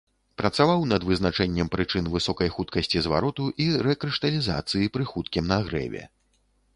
Працаваў над вызначэннем прычын высокай хуткасці звароту і рэкрышталізацыі пры хуткім нагрэве.